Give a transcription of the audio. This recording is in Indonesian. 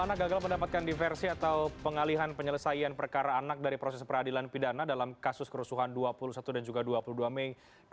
anak gagal mendapatkan diversi atau pengalihan penyelesaian perkara anak dari proses peradilan pidana dalam kasus kerusuhan dua puluh satu dan juga dua puluh dua mei dua ribu dua puluh